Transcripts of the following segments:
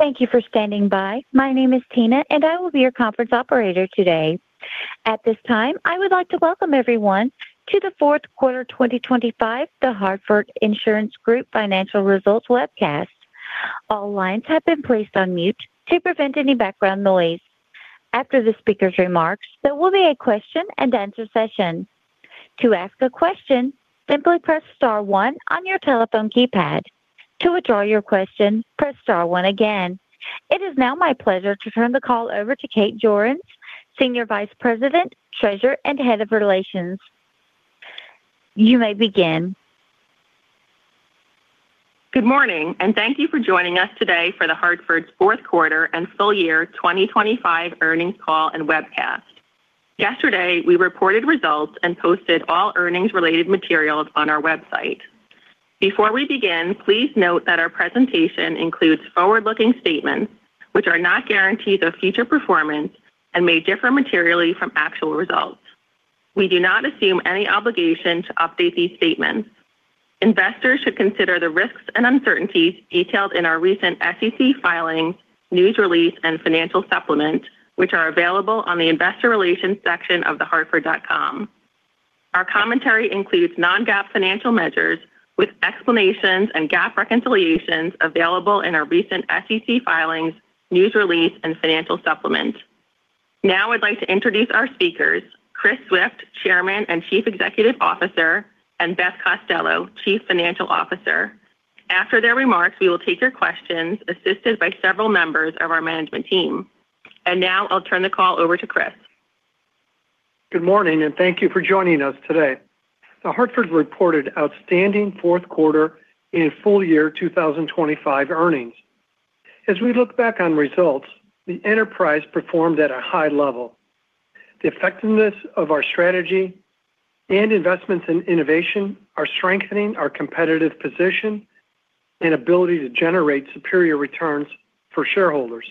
Thank you for standing by. My name is Tina, and I will be your conference operator today. At this time, I would like to welcome everyone to the fourth quarter 2025, The Hartford Insurance Group Financial Results Webcast. All lines have been placed on mute to prevent any background noise. After the speaker's remarks, there will be a question-and-answer session. To ask a question, simply press star one on your telephone keypad. To withdraw your question, press star one again. It is now my pleasure to turn the call over to Kate Jorens, Senior Vice President, Treasurer, and Head of Investor Relations. You may begin. Good morning, and thank you for joining us today for The Hartford's fourth quarter and full year 2025 earnings call and webcast. Yesterday, we reported results and posted all earnings-related materials on our website. Before we begin, please note that our presentation includes forward-looking statements which are not guarantees of future performance and may differ materially from actual results. We do not assume any obligation to update these statements. Investors should consider the risks and uncertainties detailed in our recent SEC filings, news release, and financial supplement, which are available on the Investor Relations section of hartford.com. Our commentary includes non-GAAP financial measures with explanations and GAAP reconciliations available in our recent SEC filings, news release, and financial supplement. Now, I'd like to introduce our speakers, Chris Swift, Chairman and Chief Executive Officer, and Beth Costello, Chief Financial Officer. After their remarks, we will take your questions, assisted by several members of our management team. Now I'll turn the call over to Chris. Good morning, and thank you for joining us today. The Hartford reported outstanding fourth quarter in full year 2025 earnings. As we look back on results, the enterprise performed at a high level. The effectiveness of our strategy and investments in innovation are strengthening our competitive position and ability to generate superior returns for shareholders.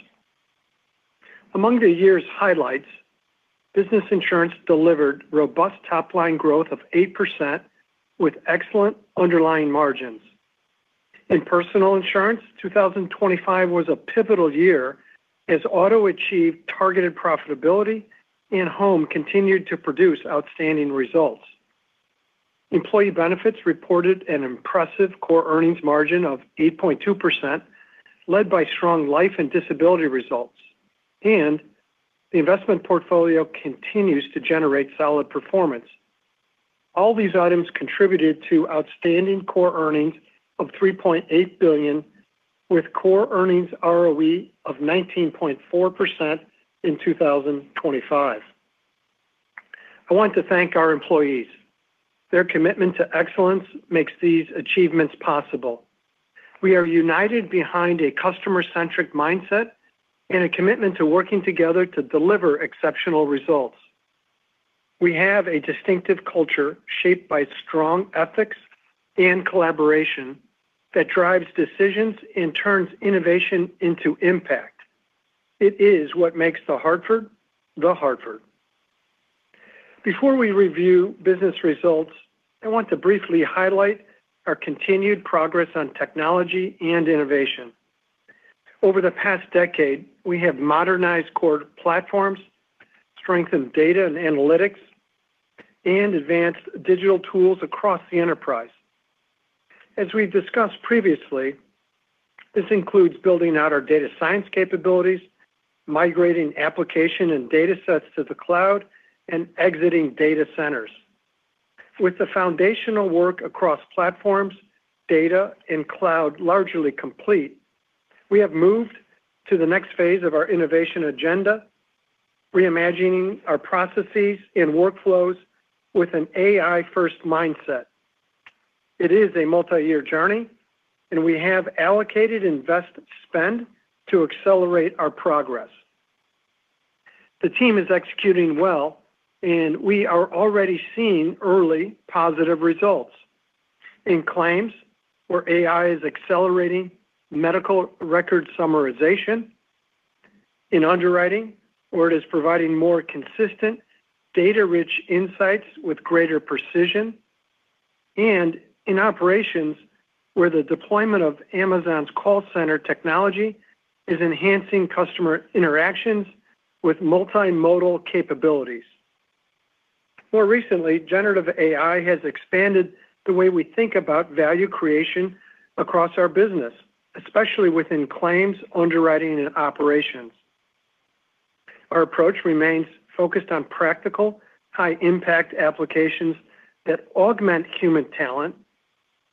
Among the year's highlights, business insurance delivered robust top-line growth of 8% with excellent underlying margins. In personal insurance, 2025 was a pivotal year as auto achieved targeted profitability and home continued to produce outstanding results. Employee benefits reported an impressive core earnings margin of 8.2%, led by strong life and disability results, and the investment portfolio continues to generate solid performance. All these items contributed to outstanding Core Earnings of $3.8 billion, with Core Earnings ROE of 19.4% in 2025. I want to thank our employees. Their commitment to excellence makes these achievements possible. We are united behind a customer-centric mindset and a commitment to working together to deliver exceptional results. We have a distinctive culture shaped by strong ethics and collaboration that drives decisions and turns innovation into impact. It is what makes The Hartford, The Hartford. Before we review business results, I want to briefly highlight our continued progress on technology and innovation. Over the past decade, we have modernized core platforms, strengthened data and analytics, and advanced digital tools across the enterprise. As we've discussed previously, this includes building out our data science capabilities, migrating application and datasets to the cloud, and exiting data centers. With the foundational work across platforms, data, and cloud largely complete, we have moved to the next phase of our innovation agenda, reimagining our processes and workflows with an AI-first mindset. It is a multi-year journey, and we have allocated invest spend to accelerate our progress. The team is executing well, and we are already seeing early positive results in claims where AI is accelerating medical record summarization, in underwriting, where it is providing more consistent data-rich insights with greater precision, and in operations, where the deployment of Amazon's call center technology is enhancing customer interactions with multimodal capabilities. More recently, generative AI has expanded the way we think about value creation across our business, especially within claims, underwriting, and operations. Our approach remains focused on practical, high-impact applications that augment human talent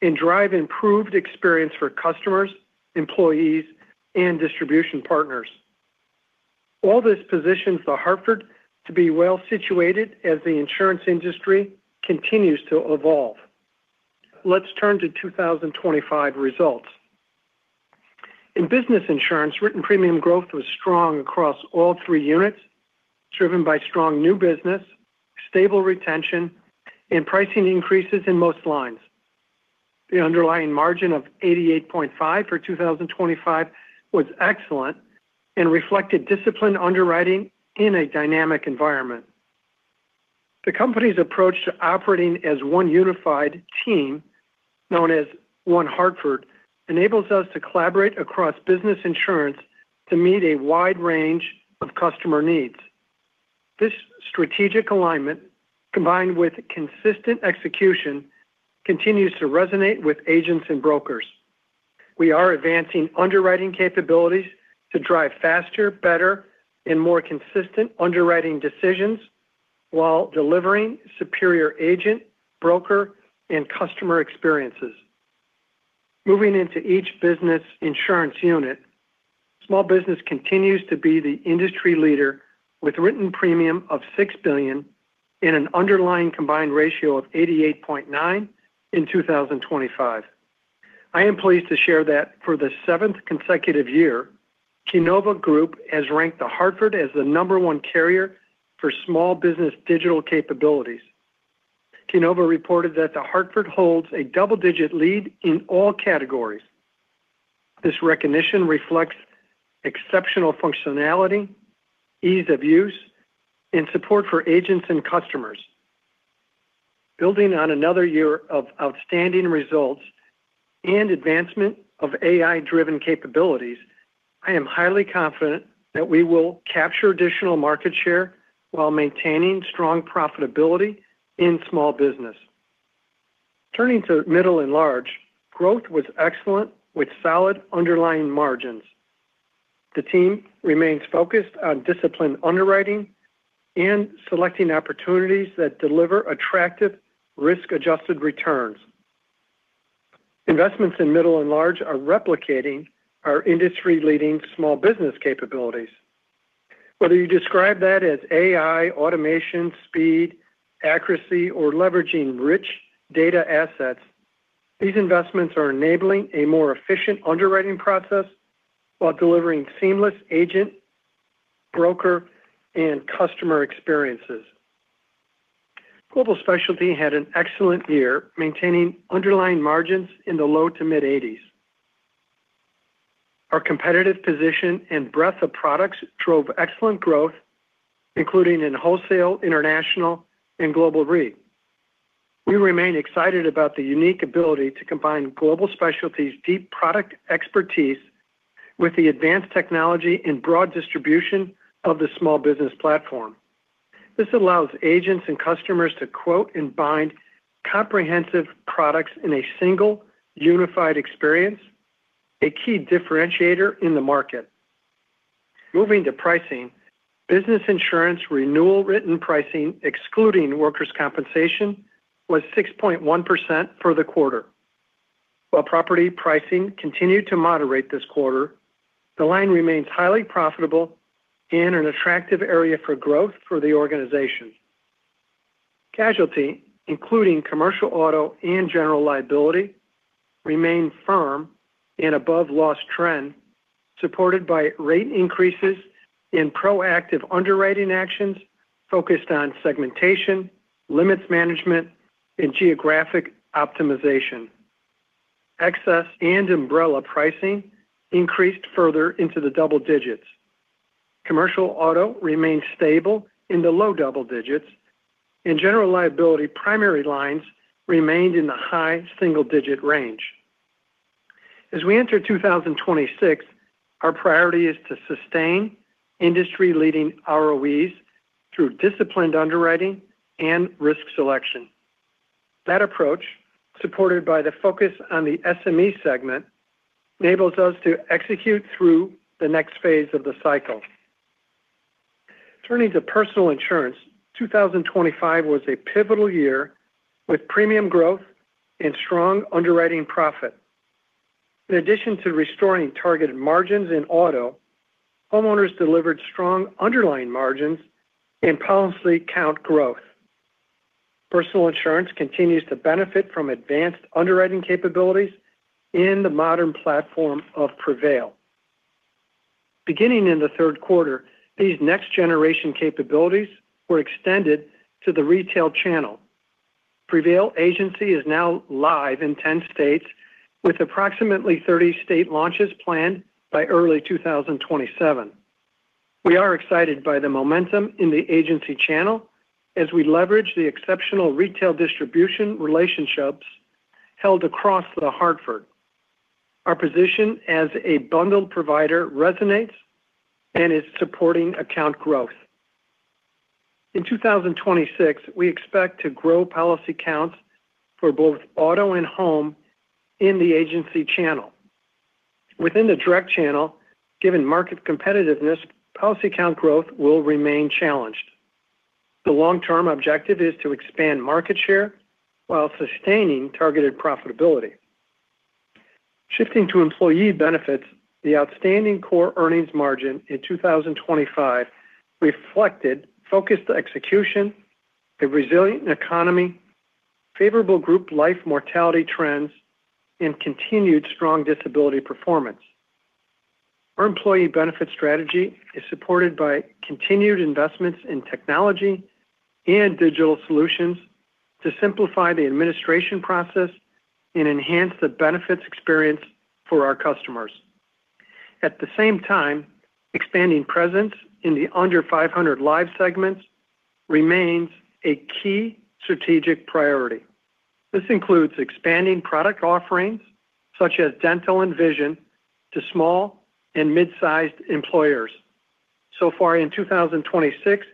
and drive improved experience for customers, employees, and distribution partners. All this positions The Hartford to be well situated as the insurance industry continues to evolve. Let's turn to 2025 results. In business insurance, written premium growth was strong across all three units, driven by strong new business, stable retention, and pricing increases in most lines. The underlying margin of 88.5 for 2025 was excellent and reflected disciplined underwriting in a dynamic environment. The company's approach to operating as one unified team, known as One Hartford, enables us to collaborate across business insurance to meet a wide range of customer needs. This strategic alignment, combined with consistent execution, continues to resonate with agents and brokers. We are advancing underwriting capabilities to drive faster, better, and more consistent underwriting decisions while delivering superior agent, broker, and customer experiences. Moving into each business insurance unit, small business continues to be the industry leader with written premium of $6 billion and an underlying combined ratio of 88.9 in 2025. I am pleased to share that for the seventh consecutive year, Keynova Group has ranked The Hartford as the number one carrier for small business digital capabilities. Keynova reported that The Hartford holds a double-digit lead in all categories. This recognition reflects exceptional functionality, ease of use, and support for agents and customers. Building on another year of outstanding results and advancement of AI-driven capabilities, I am highly confident that we will capture additional market share while maintaining strong profitability in small business. Turning to middle and large, growth was excellent with solid underlying margins. The team remains focused on disciplined underwriting and selecting opportunities that deliver attractive risk-adjusted returns. Investments in middle and large are replicating our industry-leading small business capabilities. Whether you describe that as AI, automation, speed, accuracy, or leveraging rich data assets, these investments are enabling a more efficient underwriting process while delivering seamless agent, broker, and customer experiences. Global Specialty had an excellent year, maintaining underlying margins in the low to mid-80s. Our competitive position and breadth of products drove excellent growth, including in wholesale, international, and Global Re. We remain excited about the unique ability to combine Global Specialty's deep product expertise with the advanced technology and broad distribution of the small business platform. This allows agents and customers to quote and bind comprehensive products in a single, unified experience, a key differentiator in the market. Moving to pricing, business insurance renewal written pricing, excluding workers' compensation, was 6.1% for the quarter. While property pricing continued to moderate this quarter, the line remains highly profitable and an attractive area for growth for the organization. Casualty, including commercial auto and general liability, remained firm and above loss trend, supported by rate increases in proactive underwriting actions focused on segmentation, limits management, and geographic optimization. Excess and umbrella pricing increased further into the double digits. Commercial auto remained stable in the low double digits, and general liability primary lines remained in the high single-digit range. As we enter 2026, our priority is to sustain industry-leading ROEs through disciplined underwriting and risk selection. That approach, supported by the focus on the SME segment, enables us to execute through the next phase of the cycle. Turning to personal insurance, 2025 was a pivotal year with premium growth and strong underwriting profit. In addition to restoring targeted margins in auto, homeowners delivered strong underlying margins and policy count growth. Personal insurance continues to benefit from advanced underwriting capabilities in the modern platform of Prevail. Beginning in the third quarter, these next-generation capabilities were extended to the retail channel. Prevail Agency is now live in 10 states, with approximately 30 state launches planned by early 2027. We are excited by the momentum in the agency channel as we leverage the exceptional retail distribution relationships held across The Hartford. Our position as a bundled provider resonates and is supporting account growth. In 2026, we expect to grow policy counts for both auto and home in the agency channel. Within the direct channel, given market competitiveness, policy count growth will remain challenged. The long-term objective is to expand market share while sustaining targeted profitability. Shifting to employee benefits, the outstanding Core Earnings margin in 2025 reflected focused execution, a resilient economy, favorable group life mortality trends, and continued strong disability performance. Our employee benefit strategy is supported by continued investments in technology and digital solutions to simplify the administration process and enhance the benefits experience for our customers. At the same time, expanding presence in the under 500 lives segments remains a key strategic priority. This includes expanding product offerings, such as dental and vision, to small and mid-sized employers. So far in 2026,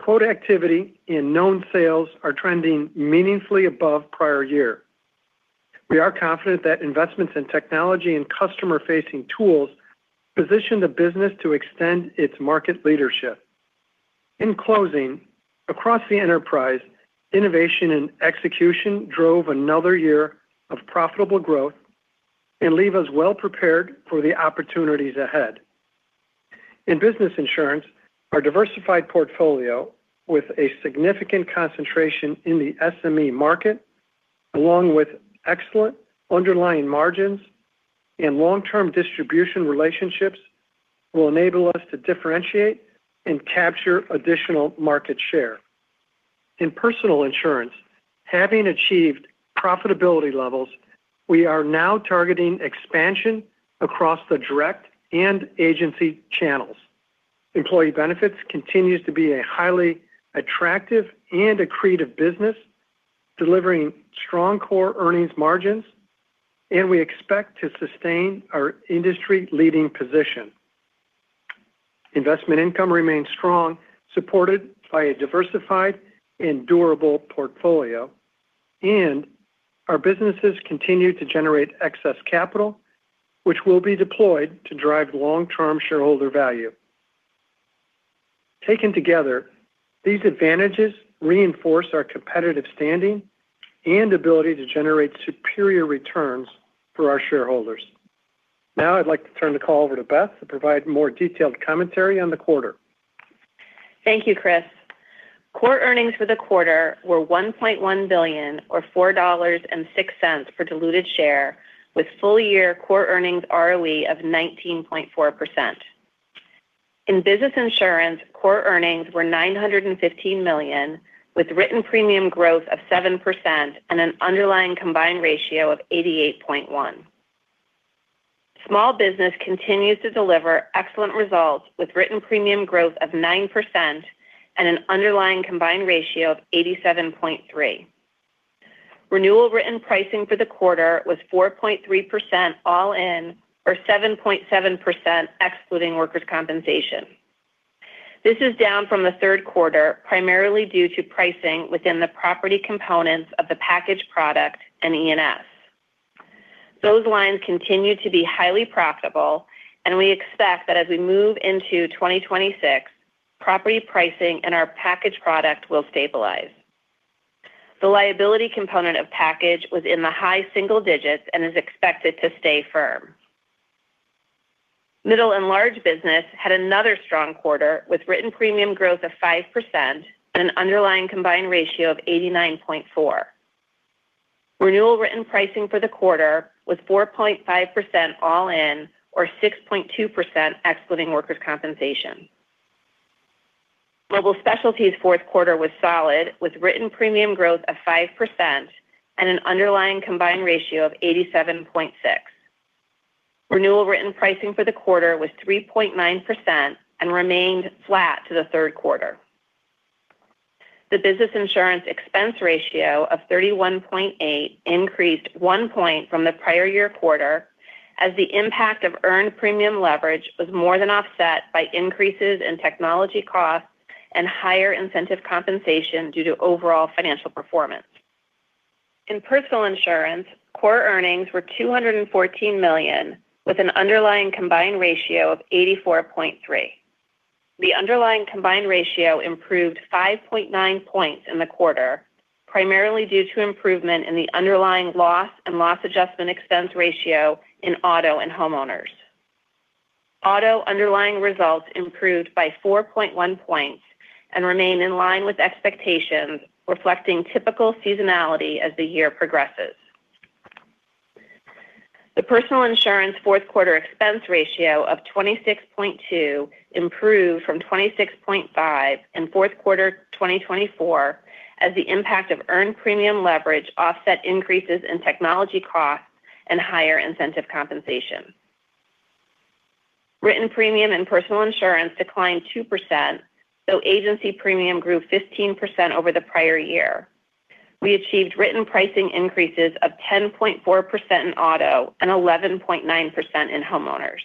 quote activity and new sales are trending meaningfully above prior year. We are confident that investments in technology and customer-facing tools position the business to extend its market leadership. In closing, across the enterprise, innovation and execution drove another year of profitable growth and leave us well prepared for the opportunities ahead. In business insurance, our diversified portfolio, with a significant concentration in the SME market, along with excellent underlying margins and long-term distribution relationships, will enable us to differentiate and capture additional market share. In personal insurance, having achieved profitability levels, we are now targeting expansion across the direct and agency channels. Employee benefits continues to be a highly attractive and accretive business, delivering strong core earnings margins, and we expect to sustain our industry-leading position. Investment income remains strong, supported by a diversified and durable portfolio, and our businesses continue to generate excess capital, which will be deployed to drive long-term shareholder value. Taken together, these advantages reinforce our competitive standing and ability to generate superior returns for our shareholders. Now, I'd like to turn the call over to Beth to provide more detailed commentary on the quarter. Thank you, Chris. Core earnings for the quarter were $1.1 billion or $4.06 per diluted share, with full-year core earnings ROE of 19.4%. In business insurance, core earnings were $915 million, with written premium growth of 7% and an underlying combined ratio of 88.1. Small business continues to deliver excellent results, with written premium growth of 9% and an underlying combined ratio of 87.3. Renewal written pricing for the quarter was 4.3% all in, or 7.7% excluding workers' compensation. This is down from the third quarter, primarily due to pricing within the property components of the package product and E&S. Those lines continue to be highly profitable, and we expect that as we move into 2026, property pricing and our package product will stabilize. The liability component of package was in the high single digits and is expected to stay firm. Middle and large business had another strong quarter, with written premium growth of 5% and an underlying combined ratio of 89.4. Renewal written pricing for the quarter was 4.5% all in, or 6.2% excluding workers' compensation. Global Specialties' fourth quarter was solid, with written premium growth of 5% and an underlying combined ratio of 87.6. Renewal written pricing for the quarter was 3.9% and remained flat to the third quarter. The business insurance expense ratio of 31.8 increased 1 point from the prior year quarter, as the impact of earned premium leverage was more than offset by increases in technology costs and higher incentive compensation due to overall financial performance. In personal insurance, core earnings were $214 million, with an underlying combined ratio of 84.3. The underlying combined ratio improved 5.9 points in the quarter, primarily due to improvement in the underlying loss and loss adjustment expense ratio in auto and homeowners. Auto underlying results improved by 4.1 points and remain in line with expectations, reflecting typical seasonality as the year progresses. The personal insurance fourth quarter expense ratio of 26.2 improved from 26.5 in fourth quarter 2024, as the impact of earned premium leverage offset increases in technology costs and higher incentive compensation. Written premium in personal insurance declined 2%, though agency premium grew 15% over the prior year. We achieved written pricing increases of 10.4% in auto and 11.9% in homeowners.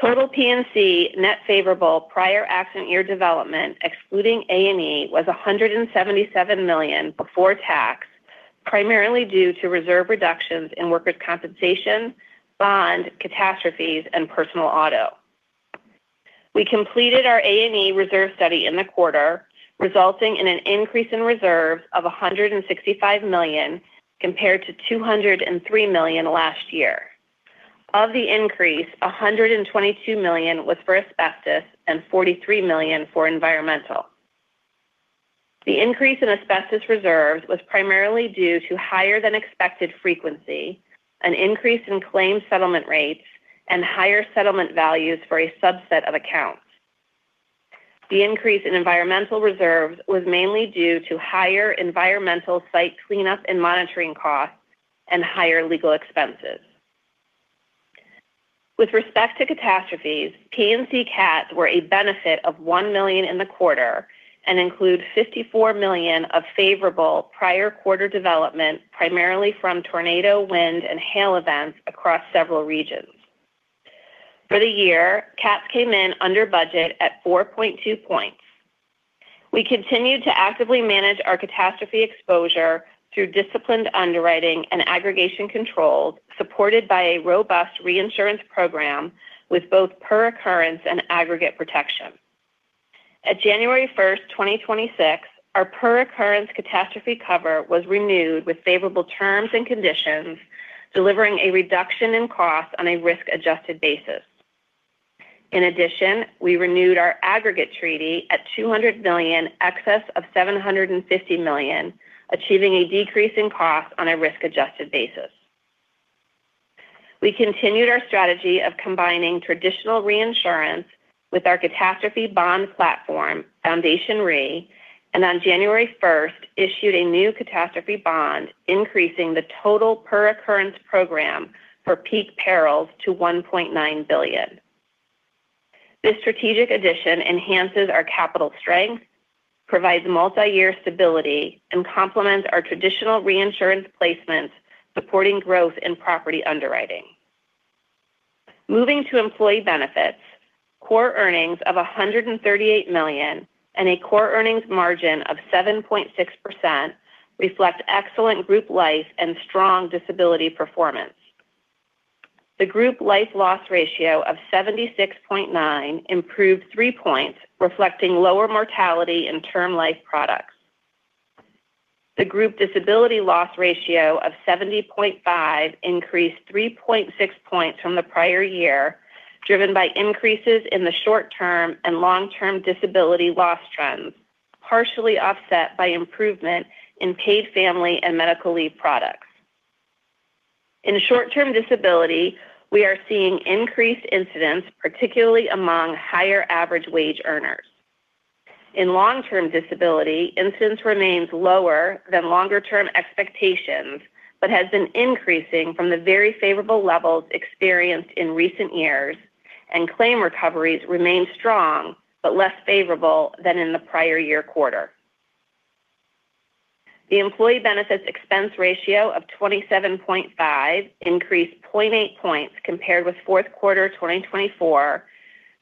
Total P&C net favorable prior accident year development, excluding A&E, was $177 million before tax, primarily due to reserve reductions in workers' compensation, bond, catastrophes, and personal auto. We completed our A&E reserve study in the quarter, resulting in an increase in reserves of $165 million, compared to $203 million last year. Of the increase, $122 million was for asbestos and $43 million for environmental. The increase in asbestos reserves was primarily due to higher-than-expected frequency, an increase in claim settlement rates, and higher settlement values for a subset of accounts. The increase in environmental reserves was mainly due to higher environmental site cleanup and monitoring costs and higher legal expenses. With respect to catastrophes, P&C CATs were a benefit of $1 million in the quarter and include $54 million of favorable prior quarter development, primarily from tornado, wind, and hail events across several regions. For the year, CATs came in under budget at 4.2 points. We continued to actively manage our catastrophe exposure through disciplined underwriting and aggregation controls, supported by a robust reinsurance program with both per occurrence and aggregate protection. At January 1, 2026, our per occurrence catastrophe cover was renewed with favorable terms and conditions, delivering a reduction in costs on a risk-adjusted basis. In addition, we renewed our aggregate treaty at $200 million, excess of $750 million, achieving a decrease in costs on a risk-adjusted basis. We continued our strategy of combining traditional reinsurance with our catastrophe bond platform, Foundation Re, and on January first, issued a new catastrophe bond, increasing the total per occurrence program for peak perils to $1.9 billion. This strategic addition enhances our capital strength, provides multi-year stability, and complements our traditional reinsurance placements, supporting growth in property underwriting. Moving to employee benefits, Core Earnings of $138 million and a Core Earnings margin of 7.6% reflect excellent group life and strong disability performance. The group life loss ratio of 76.9 improved three points, reflecting lower mortality in term life products. The group disability loss ratio of 70.5 increased 3.6 points from the prior year, driven by increases in the short-term and long-term disability loss trends, partially offset by improvement in paid family and medical leave products. In short-term disability, we are seeing increased incidents, particularly among higher average wage earners. In long-term disability, incidence remains lower than longer-term expectations, but has been increasing from the very favorable levels experienced in recent years, and claim recoveries remain strong, but less favorable than in the prior year quarter. The employee benefits expense ratio of 27.5 increased 0.8 points compared with fourth quarter 2024,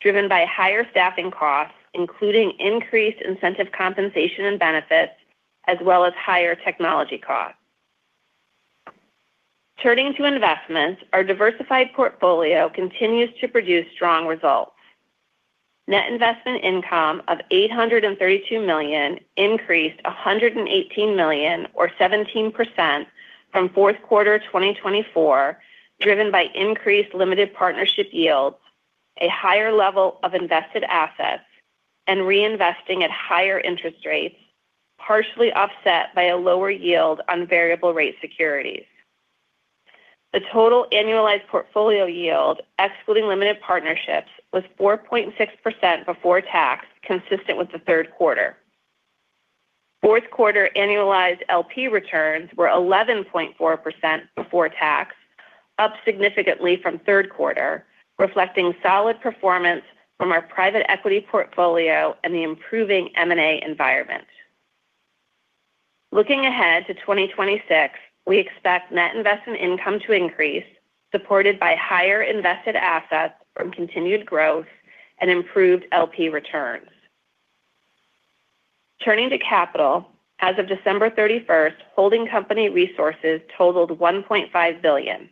driven by higher staffing costs, including increased incentive compensation and benefits, as well as higher technology costs. Turning to investments, our diversified portfolio continues to produce strong results. Net investment income of $832 million increased $118 million, or 17%, from fourth quarter 2024, driven by increased limited partnership yields, a higher level of invested assets, and reinvesting at higher interest rates, partially offset by a lower yield on variable rate securities. The total annualized portfolio yield, excluding limited partnerships, was 4.6% before tax, consistent with the third quarter. Fourth quarter annualized LP returns were 11.4% before tax, up significantly from third quarter, reflecting solid performance from our private equity portfolio and the improving M&A environment. Looking ahead to 2026, we expect net investment income to increase, supported by higher invested assets from continued growth and improved LP returns. Turning to capital, as of December thirty-first, holding company resources totaled $1.5 billion.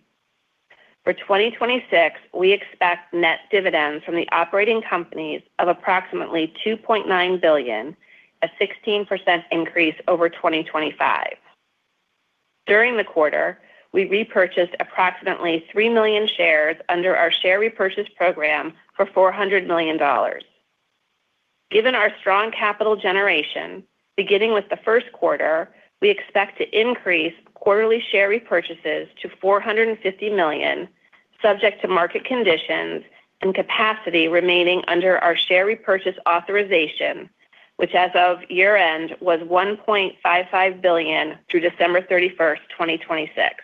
For 2026, we expect net dividends from the operating companies of approximately $2.9 billion, a 16% increase over 2025. During the quarter, we repurchased approximately three million shares under our share repurchase program for $400 million. Given our strong capital generation, beginning with the first quarter, we expect to increase quarterly share repurchases to $450 million, subject to market conditions and capacity remaining under our share repurchase authorization, which, as of year-end, was $1.55 billion through December 31, 2026.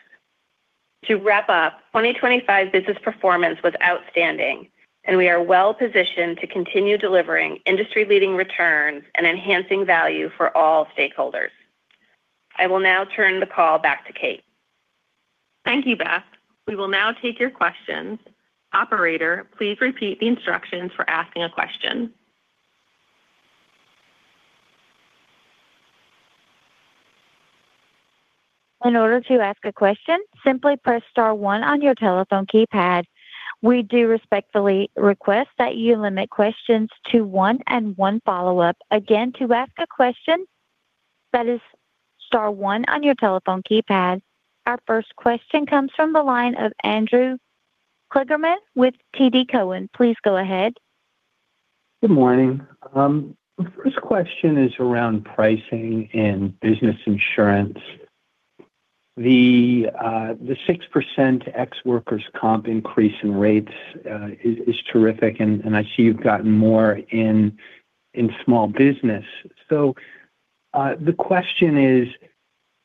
To wrap up, 2025 business performance was outstanding, and we are well positioned to continue delivering industry-leading returns and enhancing value for all stakeholders. I will now turn the call back to Kate. Thank you, Beth. We will now take your questions. Operator, please repeat the instructions for asking a question. In order to ask a question, simply press star one on your telephone keypad. We do respectfully request that you limit questions to one and one follow-up. Again, to ask a question, that is star one on your telephone keypad. Our first question comes from the line of Andrew Kligerman with TD Cowen. Please go ahead. Good morning. The first question is around pricing and business insurance. The six percent ex workers' comp increase in rates is terrific, and I see you've gotten more in small business. So, the question is: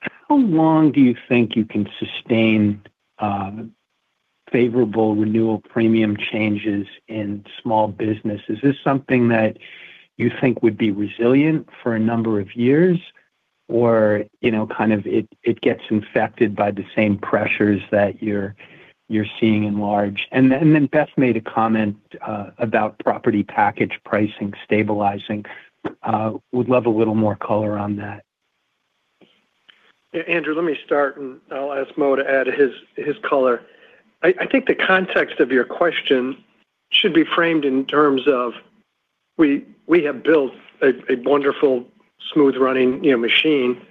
How long do you think you can sustain favorable renewal premium changes in small business? Is this something that you think would be resilient for a number of years? Or, you know, kind of it gets infected by the same pressures that you're seeing in large? And then Beth made a comment about property package pricing stabilizing. Would love a little more color on that. Yeah, Andrew, let me start, and I'll ask Mo to add his color. I think the context of your question should be framed in terms of we have built a wonderful, smooth-running, you know, machine,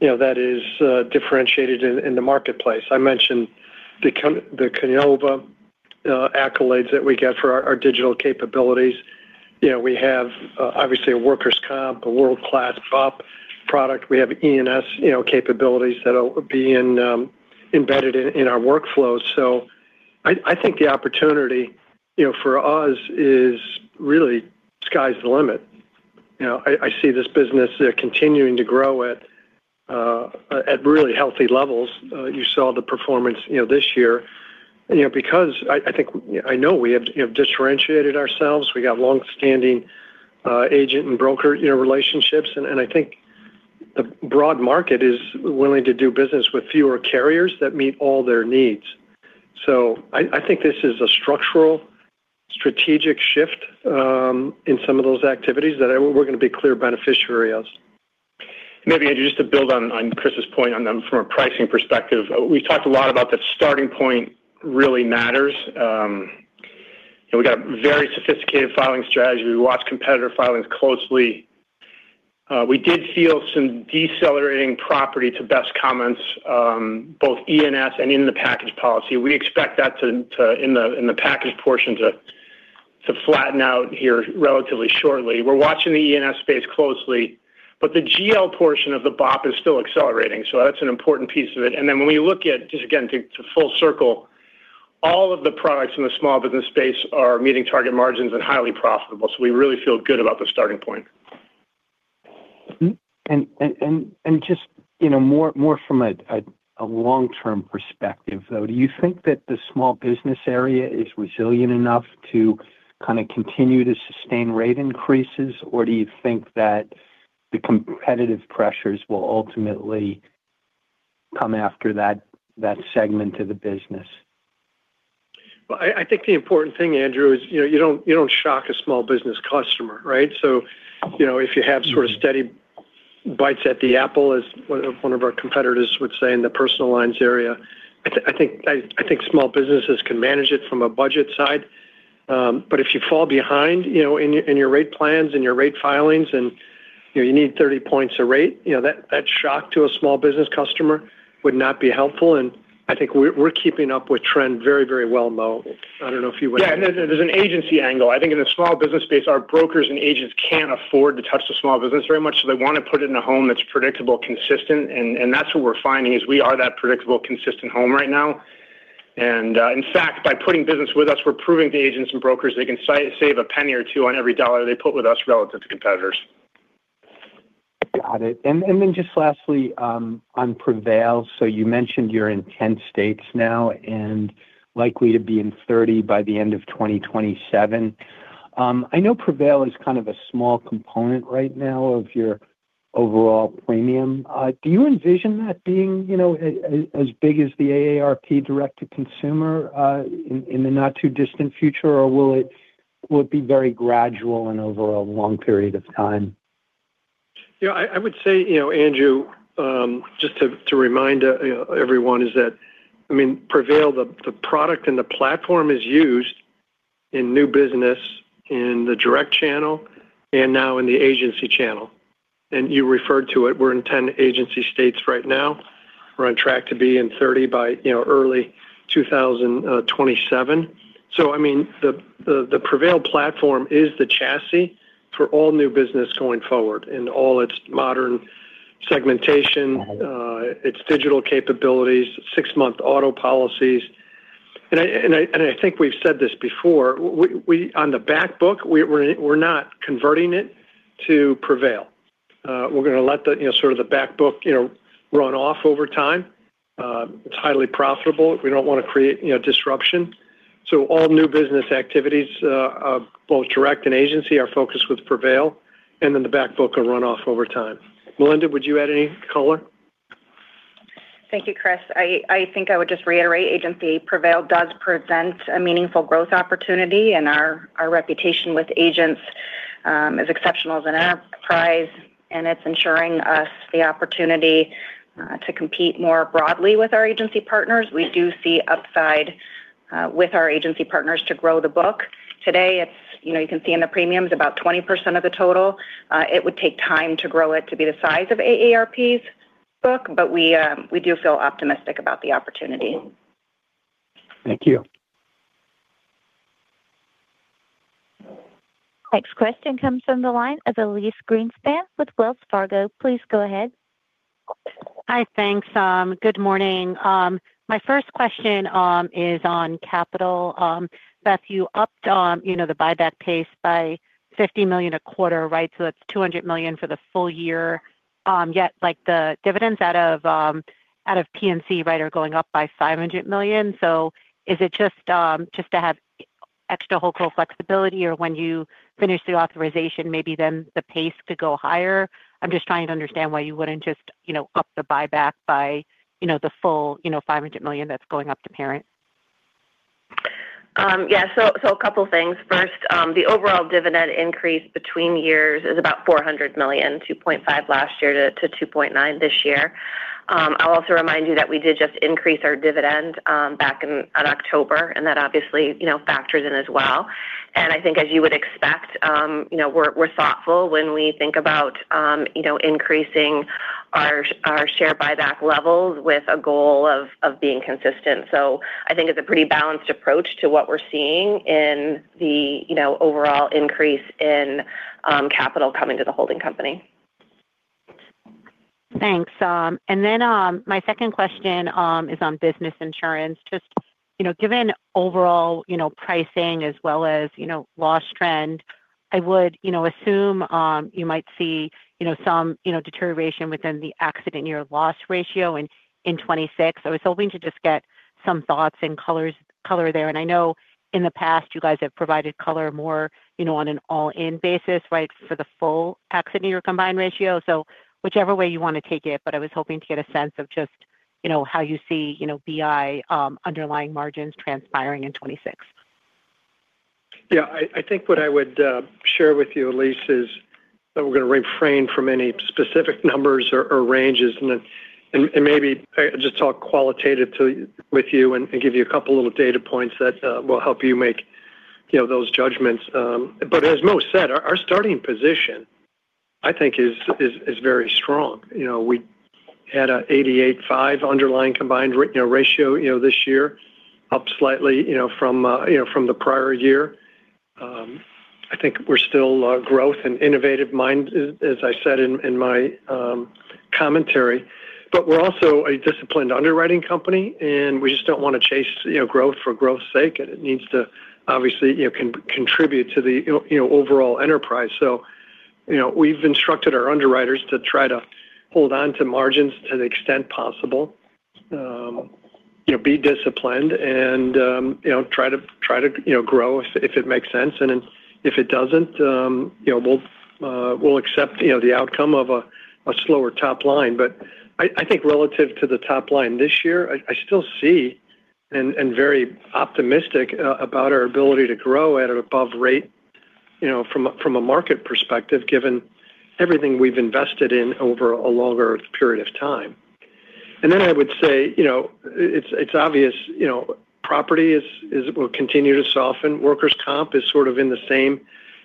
you know, that is differentiated in the marketplace. I mentioned the Keynova accolades that we get for our digital capabilities. You know, we have obviously a workers' comp, a world-class BOP product. We have E&S, you know, capabilities that are being embedded in our workflows. So I think the opportunity, you know, for us is really sky's the limit. You know, I see this business continuing to grow at really healthy levels. You saw the performance, you know, this year, you know, because I think, I know we have, you know, differentiated ourselves. We got long-standing agent and broker, you know, relationships, and, and I think the broad market is willing to do business with fewer carriers that meet all their needs. So I, I think this is a structural, strategic shift in some of those activities that we're gonna be clear beneficiary of. Maybe, Andrew, just to build on Chris's point on them from a pricing perspective. We've talked a lot about the starting point really matters. And we got a very sophisticated filing strategy. We watch competitor filings closely. We did feel some decelerating property to Beth's comments, both E&S and in the package policy. We expect that to in the package portion to flatten out here relatively shortly. We're watching the E&S space closely, but the GL portion of the BOP is still accelerating, so that's an important piece of it. And then when we look at, just again, to full circle, all of the products in the small business space are meeting target margins and highly profitable. So we really feel good about the starting point. Mm-hmm. And just, you know, more from a long-term perspective, though, do you think that the small business area is resilient enough to kind of continue to sustain rate increases? Or do you think that the competitive pressures will ultimately come after that segment of the business? Well, I think the important thing, Andrew, is, you know, you don't shock a small business customer, right? So, you know, if you have sort of steady bites at the apple, as one of our competitors would say in the personal lines area, I think small businesses can manage it from a budget side. But if you fall behind, you know, in your rate plans and your rate filings, and, you know, you need 30 points a rate, you know, that shock to a small business customer would not be helpful, and I think we're keeping up with trend very, very well, Mo. I don't know if you would- Yeah, and there's an agency angle. I think in a small business space, our brokers and agents can't afford to touch the small business very much, so they want to put it in a home that's predictable, consistent, and that's what we're finding, is we are that predictable, consistent home right now. And, in fact, by putting business with us, we're proving to agents and brokers they can save a penny or two on every dollar they put with us relative to competitors. Got it. And then just lastly, on Prevail, so you mentioned you're in 10 states now and likely to be in 30 by the end of 2027. I know Prevail is kind of a small component right now of your overall premium. Do you envision that being, you know, as big as the AARP direct-to-consumer, in the not-too-distant future, or will it be very gradual and over a long period of time? You know, I would say, you know, Andrew, just to remind, you know, everyone, is that, I mean, Prevail, the product and the platform is used in new business, in the direct channel and now in the agency channel. And you referred to it, we're in 10 agency states right now. We're on track to be in 30 by, you know, early 2027. So I mean, the Prevail platform is the chassis for all new business going forward in all its modern segmentation- Got it. Its digital capabilities, six-month auto policies. And I think we've said this before, we on the back book, we're not converting it to Prevail. We're gonna let the, you know, sort of the back book, you know, run off over time. It's highly profitable. We don't want to create, you know, disruption. So all new business activities, both direct and agency, are focused with Prevail, and then the back book will run off over time. Melinda, would you add any color? Thank you, Chris. I think I would just reiterate agency Prevail does present a meaningful growth opportunity, and our reputation with agents is exceptional as an enterprise, and it's ensuring us the opportunity to compete more broadly with our agency partners. We do see upside with our agency partners to grow the book. Today, it's. You know, you can see in the premiums, about 20% of the total. It would take time to grow it to be the size of AARP's book, but we do feel optimistic about the opportunity. Thank you. ... Next question comes from the line of Elyse Greenspan with Wells Fargo. Please go ahead. Hi, thanks. Good morning. My first question is on capital. Beth, you upped, you know, the buyback pace by $50 million a quarter, right? So that's $200 million for the full year. Yet, like, the dividends out of, out of P&C, right, are going up by $500 million. So is it just, just to have extra holdco flexibility, or when you finish the authorization, maybe then the pace could go higher? I'm just trying to understand why you wouldn't just, you know, up the buyback by, you know, the full, you know, $500 million that's going up to parent. Yeah, so, so a couple things. First, the overall dividend increase between years is about $400 million, $2.5 last year to $2.9 this year. I'll also remind you that we did just increase our dividend, back in, on October, and that obviously, you know, factors in as well. And I think, as you would expect, you know, we're, we're thoughtful when we think about, you know, increasing our sh- our share buyback levels with a goal of, of being consistent. So I think it's a pretty balanced approach to what we're seeing in the, you know, overall increase in, capital coming to the holding company. Thanks. And then, my second question is on business insurance. Just, you know, given overall, you know, pricing as well as, you know, loss trend, I would, you know, assume, you might see, you know, some, you know, deterioration within the accident year loss ratio in 2026. I was hoping to just get some thoughts and color there. And I know in the past, you guys have provided color more, you know, on an all-in basis, right, for the full accident year combined ratio. So whichever way you want to take it, but I was hoping to get a sense of just, you know, how you see, you know, BI underlying margins transpiring in 2026. Yeah, I think what I would share with you, Elyse, is that we're going to refrain from any specific numbers or ranges, and then and maybe I just talk qualitatively with you and give you a couple of little data points that will help you make, you know, those judgments. But as Mo said, our starting position, I think, is very strong. You know, we had a 88.5 Underlying Combined Ratio, you know, this year, up slightly, you know, from the prior year. I think we're still growth- and innovation-minded, as I said in my commentary, but we're also a disciplined underwriting company, and we just don't want to chase, you know, growth for growth's sake. It needs to obviously, you know, contribute to the, you know, overall enterprise. So, you know, we've instructed our underwriters to try to hold on to margins to the extent possible. You know, be disciplined and, you know, try to grow if it makes sense. And then if it doesn't, you know, we'll accept the outcome of a slower top line. But I think relative to the top line this year, I still see and very optimistic about our ability to grow at an above rate, you know, from a market perspective, given everything we've invested in over a longer period of time. And then I would say, you know, it's obvious, you know, property will continue to soften. Workers' comp is sort of in the same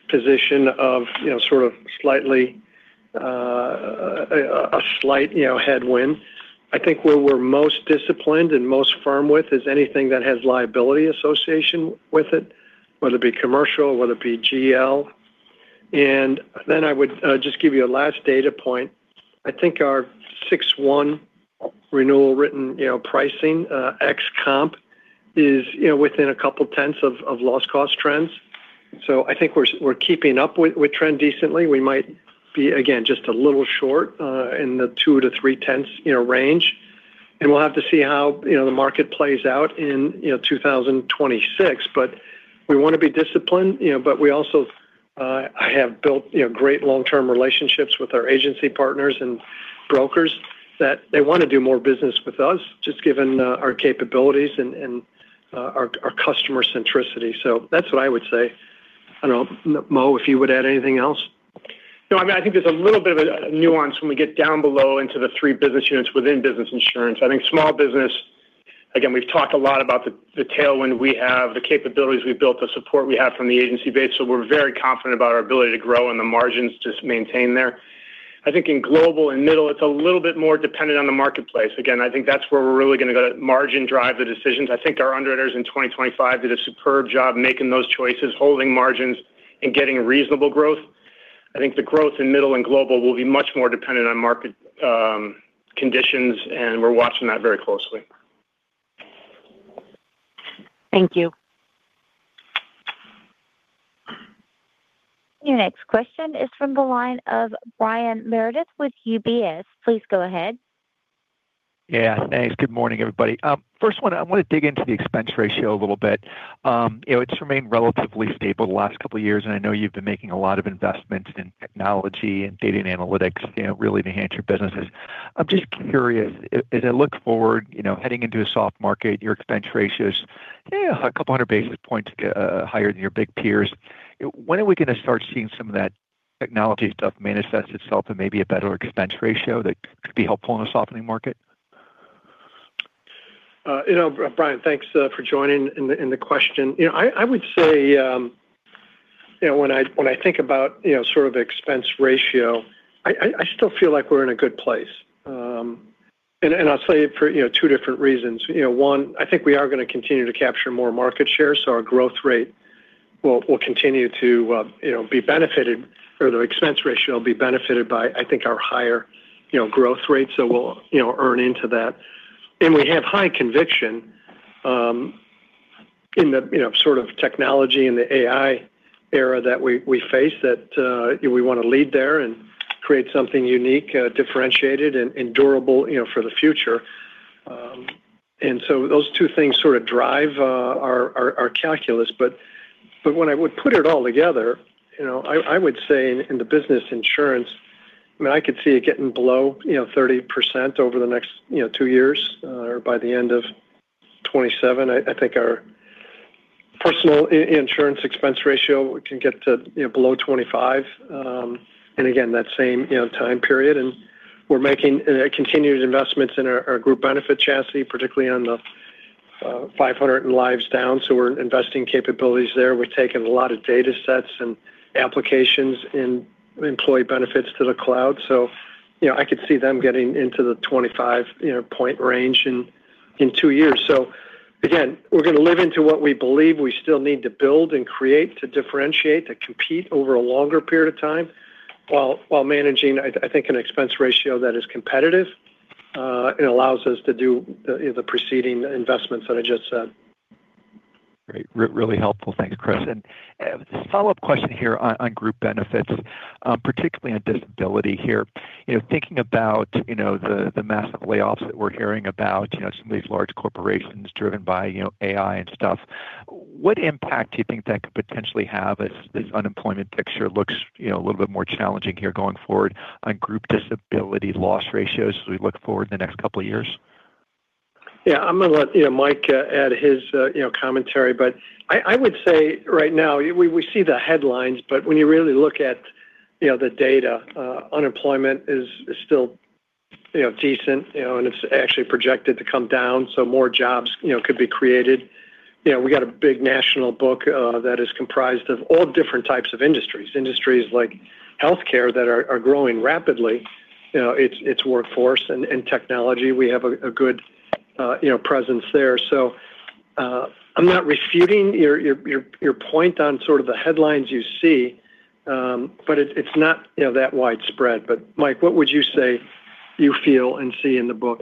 position of, you know, sort of slightly, a slight, you know, headwind. I think where we're most disciplined and most firm with is anything that has liability association with it, whether it be commercial, whether it be GL. And then I would just give you a last data point. I think our 6.1 renewal written, you know, pricing, ex comp is, you know, within a couple tenths of loss cost trends. So I think we're keeping up with trend decently. We might be, again, just a little short, in the 2-3 tenths, you know, range, and we'll have to see how, you know, the market plays out in, you know, 2026. But we want to be disciplined, you know, but we also have built, you know, great long-term relationships with our agency partners and brokers, that they want to do more business with us, just given our capabilities and our customer centricity. So that's what I would say. I don't know, Mo, if you would add anything else? No, I mean, I think there's a little bit of a nuance when we get down below into the three business units within business insurance. I think small business, again, we've talked a lot about the, the tailwind we have, the capabilities we've built, the support we have from the agency base. So we're very confident about our ability to grow and the margins just maintain there. I think in global and middle, it's a little bit more dependent on the marketplace. Again, I think that's where we're really going to go to margin drive the decisions. I think our underwriters in 2025 did a superb job making those choices, holding margins, and getting reasonable growth. I think the growth in middle and global will be much more dependent on market conditions, and we're watching that very closely. Thank you. Your next question is from the line of Brian Meredith with UBS. Please go ahead. Yeah, thanks. Good morning, everybody. First one, I want to dig into the expense ratio a little bit. You know, it's remained relatively stable the last couple of years, and I know you've been making a lot of investments in technology and data and analytics, you know, really to enhance your businesses. I'm just curious, as I look forward, you know, heading into a soft market, your expense ratio is, yeah, a couple hundred basis points higher than your big peers. When are we going to start seeing some of that technology stuff manifest itself and maybe a better expense ratio that could be helpful in a softening market? You know, Brian, thanks for joining and the question. You know, I would say, you know, when I think about, you know, sort of expense ratio, I still feel like we're in a good place. And I'll tell you for, you know, two different reasons. You know, one, I think we are going to continue to capture more market share, so our growth rate will continue to, you know, be benefited or the expense ratio will be benefited by, I think, our higher, you know, growth rate. So we'll, you know, earn into that. And we have high conviction in the, you know, sort of technology and the AI era that we face, that we want to lead there and create something unique, differentiated, and durable, you know, for the future. So those two things sort of drive our calculus. But when I would put it all together, you know, I would say in the business insurance, I mean, I could see it getting below 30% over the next two years or by the end of 2027. I think our personal insurance expense ratio can get to below 25%, and again, that same time period. We're making continuous investments in our group benefits business, particularly on the 500 lives and down, so we're investing capabilities there. We're taking a lot of data sets and applications in employee benefits to the cloud. So, you know, I could see them getting into the 25-point range in two years. So again, we're going to live into what we believe we still need to build and create, to differentiate, to compete over a longer period of time, while managing, I think, an expense ratio that is competitive and allows us to do the preceding investments that I just said. Great. Really helpful. Thanks, Chris. A follow-up question here on group benefits, particularly on disability here. You know, thinking about the massive layoffs that we're hearing about, you know, some of these large corporations driven by, you know, AI and stuff, what impact do you think that could potentially have as this unemployment picture looks, you know, a little bit more challenging here going forward on group disability loss ratios as we look forward in the next couple of years? Yeah, I'm going to let, you know, Mike add his, you know, commentary, but I would say right now, we see the headlines, but when you really look at, you know, the data, unemployment is still, you know, decent, you know, and it's actually projected to come down, so more jobs, you know, could be created. You know, we got a big national book that is comprised of all different types of industries. Industries like healthcare that are growing rapidly, you know, its workforce and technology. We have a good, you know, presence there. So, I'm not refuting your point on sort of the headlines you see, but it's not, you know, that widespread. But, Mike, what would you say you feel and see in the book?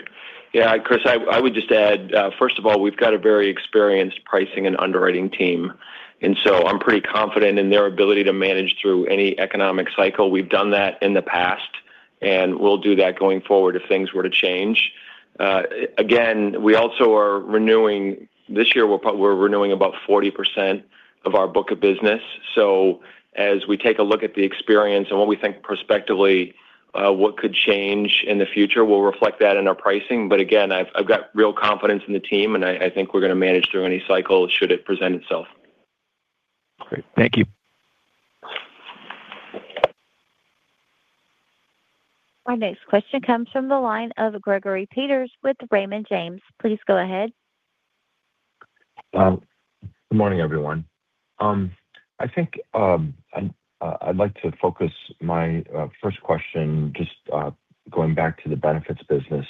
Yeah, Chris, I would just add, first of all, we've got a very experienced pricing and underwriting team, and so I'm pretty confident in their ability to manage through any economic cycle. We've done that in the past, and we'll do that going forward if things were to change. Again, we also are renewing... This year, we're renewing about 40% of our book of business. So as we take a look at the experience and what we think prospectively, what could change in the future, we'll reflect that in our pricing. But again, I've got real confidence in the team, and I think we're going to manage through any cycle should it present itself. Great. Thank you. Our next question comes from the line of Gregory Peters with Raymond James. Please go ahead. Good morning, everyone. I think I'd like to focus my first question just going back to the benefits business.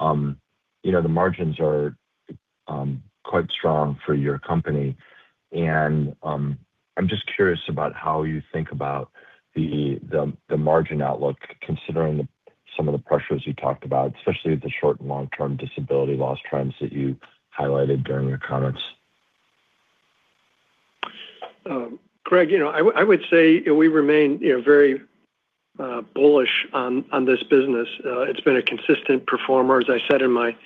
You know, the margins are quite strong for your company, and I'm just curious about how you think about the margin outlook, considering some of the pressures you talked about, especially the short and long-term disability loss trends that you highlighted during your comments. Greg, you know, I would, I would say we remain, you know, very bullish on, on this business. It's been a consistent performer. As I said in my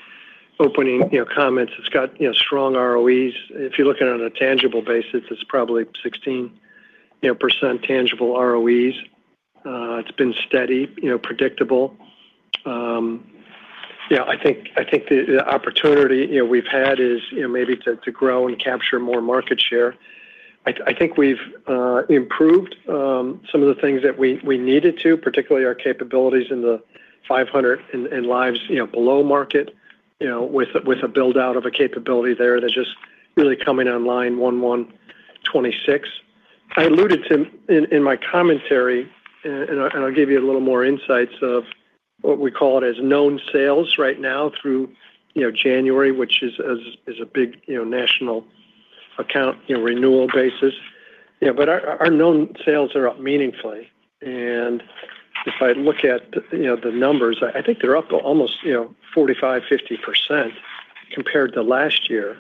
opening, you know, comments, it's got, you know, strong ROEs. If you're looking on a tangible basis, it's probably 16% tangible ROEs. It's been steady, you know, predictable. Yeah, I think the opportunity, you know, we've had is, you know, maybe to grow and capture more market share. I think we've improved some of the things that we needed to, particularly our capabilities in the 500 and lives, you know, below market, you know, with a build-out of a capability there. They're just really coming online, 1,126. I alluded to in my commentary, and I'll give you a little more insights of what we call it as known sales right now through, you know, January, which is a big, you know, national account, you know, renewal basis. You know, but our known sales are up meaningfully. And if I look at, you know, the numbers, I think they're up almost, you know, 45-50% compared to last year.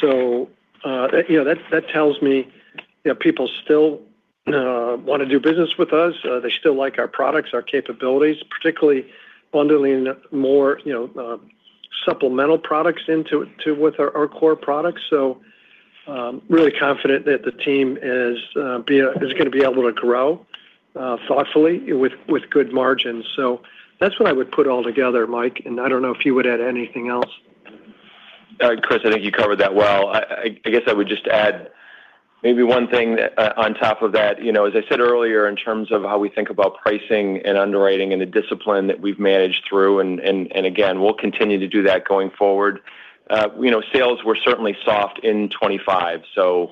So, that, you know, that tells me, you know, people still want to do business with us. They still like our products, our capabilities, particularly bundling more, you know, supplemental products into with our core products. So, really confident that the team is going to be able to grow thoughtfully with good margins. That's what I would put all together, Mike, and I don't know if you would add anything else. Chris, I think you covered that well. I guess I would just add maybe one thing on top of that. You know, as I said earlier, in terms of how we think about pricing and underwriting and the discipline that we've managed through, and again, we'll continue to do that going forward. You know, sales were certainly soft in 2025, so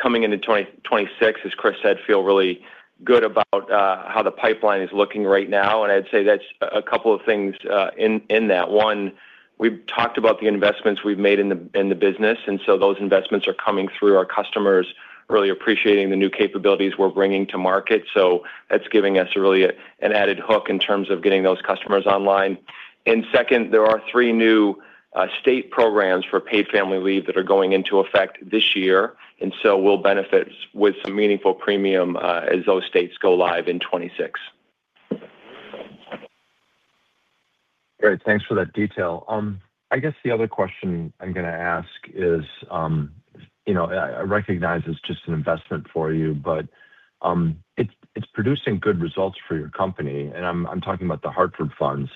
coming into 2026, as Chris said, feel really good about how the pipeline is looking right now. And I'd say that's a couple of things in that. One, we've talked about the investments we've made in the business, and so those investments are coming through. Our customers really appreciating the new capabilities we're bringing to market. So that's giving us really an added hook in terms of getting those customers online. And second, there are three new state programs for paid family leave that are going into effect this year, and so we'll benefit with some meaningful premium, as those states go live in 2026. Great. Thanks for that detail. I guess the other question I'm going to ask is, you know, I recognize it's just an investment for you, but, it's producing good results for your company, and I'm talking about The Hartford Funds.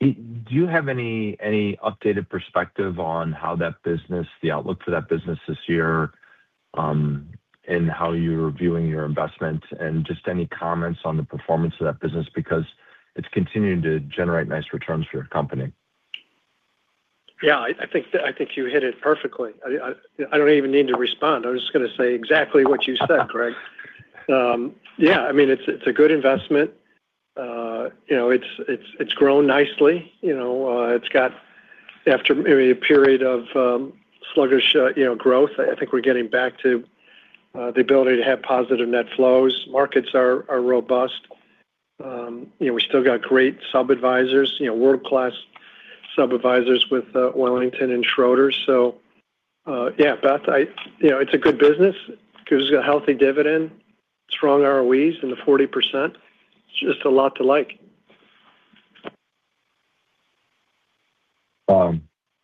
Do you have any updated perspective on how that business, the outlook for that business this year, and how you're viewing your investment? And just any comments on the performance of that business, because it's continuing to generate nice returns for your company. Yeah, I think you hit it perfectly. I don't even need to respond. I was just gonna say exactly what you said, Greg. Yeah, I mean, it's a good investment. You know, it's grown nicely. You know, it's got after maybe a period of sluggish growth, I think we're getting back to the ability to have positive net flows. Markets are robust. You know, we still got great sub-advisors, world-class sub-advisors with Wellington and Schroders. So, yeah, but you know, it's a good business 'cause it's got a healthy dividend, strong ROEs in the 40%. It's just a lot to like.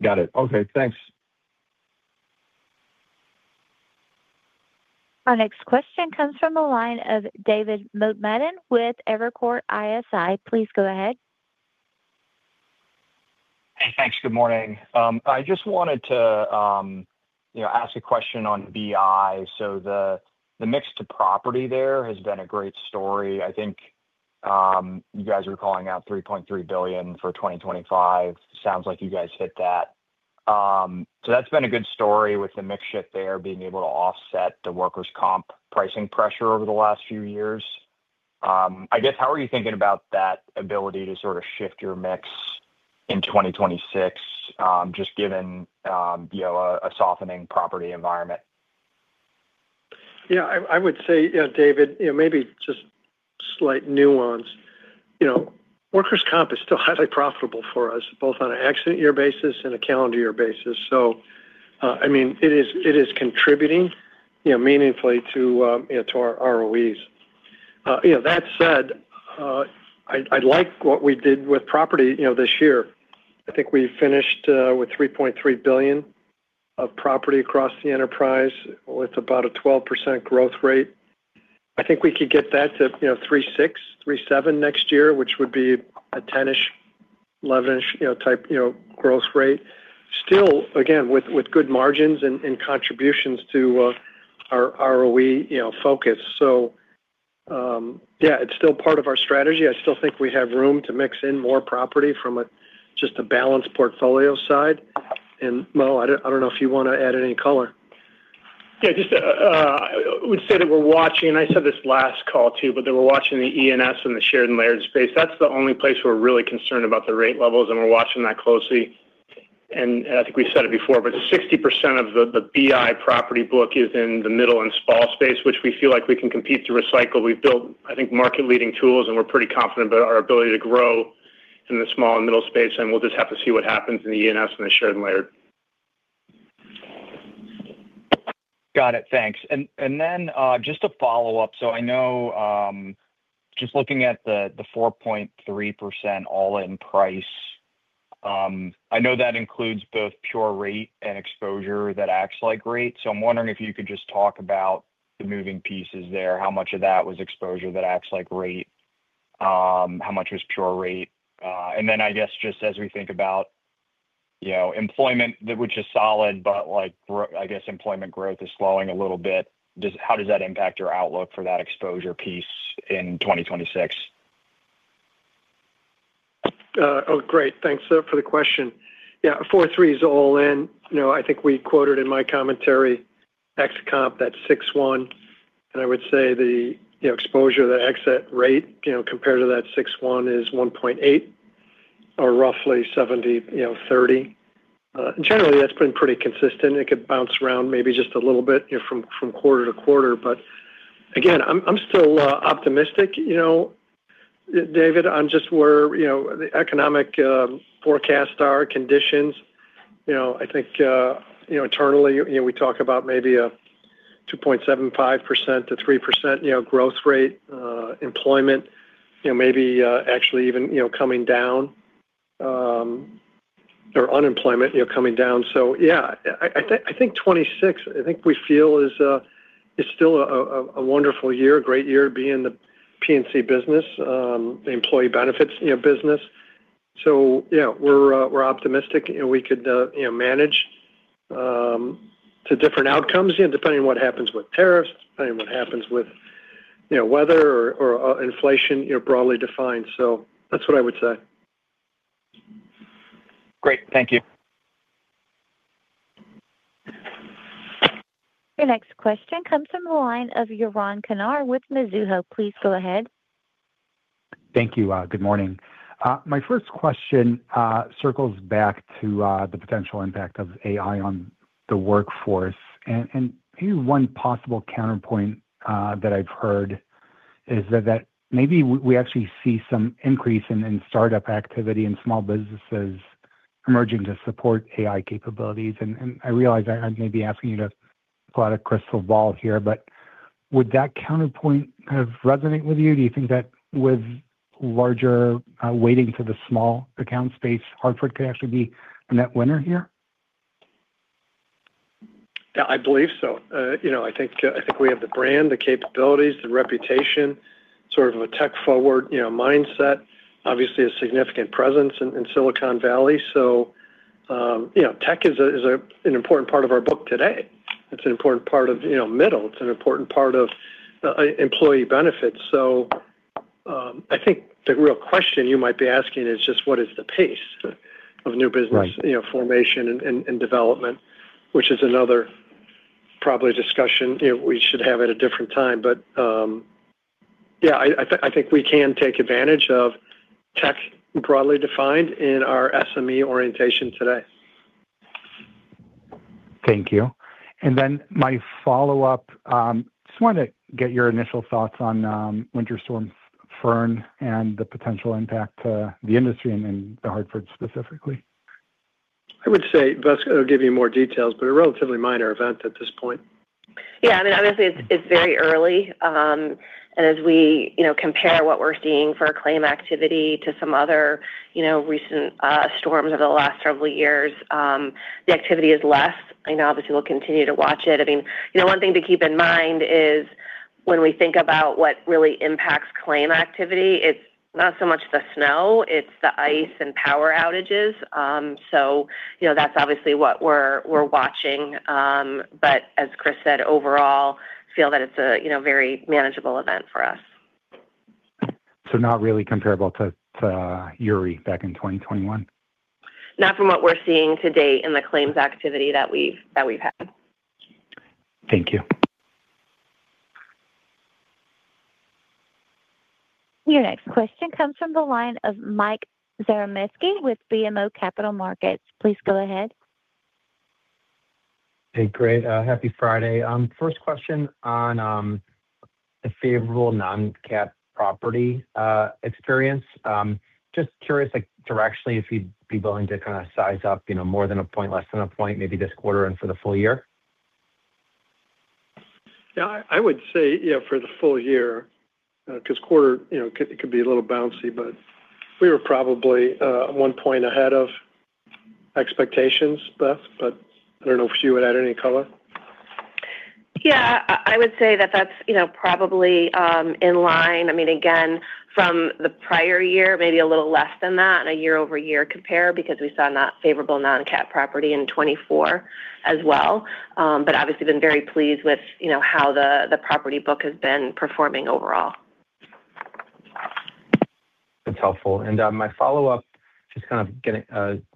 Got it. Okay, thanks. Our next question comes from the line of David Motemaden with Evercore ISI. Please go ahead. Hey, thanks. Good morning. I just wanted to, you know, ask a question on BI. So the, the mix to property there has been a great story. I think, you guys were calling out $3.3 billion for 2025. Sounds like you guys hit that. So that's been a good story with the mix shift there, being able to offset the workers' comp pricing pressure over the last few years. I guess, how are you thinking about that ability to sort of shift your mix in 2026, just given, you know, a, a softening property environment? Yeah, I would say, you know, David, you know, maybe just slight nuance. You know, workers' comp is still highly profitable for us, both on an accident year basis and a calendar year basis. So, I mean, it is contributing, you know, meaningfully to, you know, to our ROEs. You know, that said, I like what we did with property, you know, this year. I think we finished with $3.3 billion of property across the enterprise, with about a 12% growth rate. I think we could get that to, you know, $3.6, $3.7 next year, which would be a 10-ish, 11-ish, you know, type, you know, growth rate. Still, again, with good margins and contributions to our ROE, you know, focus. So, yeah, it's still part of our strategy. I still think we have room to mix in more property from just a balanced portfolio side. And, Mo, I don't know if you want to add any color. Yeah, just, I would say that we're watching, and I said this last call, too, but that we're watching the ENS and the shared and layered space. That's the only place we're really concerned about the rate levels, and we're watching that closely. And I think we've said it before, but 60% of the BI property book is in the middle and small space, which we feel like we can compete to recycle. We've built, I think, market-leading tools, and we're pretty confident about our ability to grow in the small and middle space, and we'll just have to see what happens in the ENS and the shared and layered. Got it. Thanks. And then, just a follow-up. So I know, just looking at the 4.3% all-in price, I know that includes both pure rate and exposure that acts like rate. So I'm wondering if you could just talk about the moving pieces there. How much of that was exposure that acts like rate? How much was pure rate? And then I guess, just as we think about, you know, employment, which is solid, but, like, I guess employment growth is slowing a little bit. How does that impact your outlook for that exposure piece in 2026? Oh, great. Thanks, for the question. Yeah, 4.3 is all in. You know, I think we quoted in my commentary, ex comp, that 6.1, and I would say the, you know, exposure of the exit rate, you know, compared to that 6.1, is 1.8 or roughly 70-30. Generally, that's been pretty consistent. It could bounce around maybe just a little bit, you know, from quarter to quarter, but again, I'm still optimistic, you know, David, on just where, you know, the economic forecasts are, conditions. You know, I think, internally, you know, we talk about maybe a 2.75%-3% growth rate, employment, you know, maybe, actually even, coming down, or unemployment, you know, coming down. So, yeah, I think 2026, I think we feel is still a wonderful year, great year being in the P&C business, the employee benefits, you know, business. So, you know, we're optimistic, and we could manage to different outcomes, you know, depending on what happens with tariffs, depending on what happens with weather or inflation, you know, broadly defined. So that's what I would say. ... Great. Thank you. Your next question comes from the line of Yaron Kinar with Mizuho. Please go ahead. Thank you. Good morning. My first question circles back to the potential impact of AI on the workforce. And maybe one possible counterpoint that I've heard is that maybe we actually see some increase in startup activity and small businesses emerging to support AI capabilities. And I realize I'm maybe asking you to pull out a crystal ball here, but would that counterpoint kind of resonate with you? Do you think that with larger weighting for the small account space, Hartford could actually be a net winner here? Yeah, I believe so. You know, I think we have the brand, the capabilities, the reputation, sort of a tech-forward, you know, mindset, obviously a significant presence in Silicon Valley. So, you know, tech is an important part of our book today. It's an important part of, you know, middle. It's an important part of employee benefits. So, I think the real question you might be asking is just what is the pace of new business- Right you know, formation and development, which is another probably discussion, you know, we should have at a different time. But, yeah, I think we can take advantage of tech broadly defined in our SME orientation today. Thank you. Then my follow-up, just wanted to get your initial thoughts on Winter Storm Fern and the potential impact to the industry and then The Hartford specifically? I would say, Beth's going to give you more details, but a relatively minor event at this point. Yeah, I mean, obviously, it's very early. And as we, you know, compare what we're seeing for claim activity to some other, you know, recent storms over the last several years, the activity is less. I know obviously, we'll continue to watch it. I mean, you know, one thing to keep in mind is when we think about what really impacts claim activity, it's not so much the snow, it's the ice and power outages. So, you know, that's obviously what we're watching. But as Chris said, overall, feel that it's a, you know, very manageable event for us. So not really comparable to Uri back in 2021? Not from what we're seeing to date in the claims activity that we've had. Thank you. Your next question comes from the line of Mike Zaremski with BMO Capital Markets. Please go ahead. Hey, great. Happy Friday. First question on the favorable non-cat property experience. Just curious, like, directionally, if you'd be willing to kind of size up, you know, more than a point, less than a point, maybe this quarter and for the full year? Yeah, I would say, yeah, for the full year, 'cause quarter, you know, it could be a little bouncy, but we were probably one point ahead of expectations, Beth, but I don't know if she would add any color. Yeah. I, I would say that that's, you know, probably in line. I mean, again, from the prior year, maybe a little less than that in a year-over-year compare, because we saw a not favorable non-cat property in 2024 as well. But obviously, been very pleased with, you know, how the property book has been performing overall. That's helpful. And my follow-up, just kind of getting